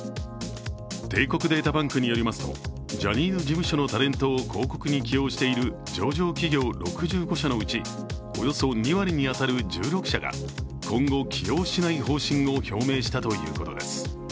帝国データバンクによりますと、ジャニーズ事務所のタレントを広告に起用している上場企業６５社のうち、およそ２割に当たる１６社が今後起用しない方針を表明したということです